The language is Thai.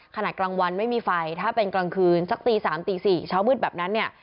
กลางวันไม่มีไฟถ้าเป็นกลางคืนสักตี๓ตี๔เช้ามืดแบบนั้นเนี่ย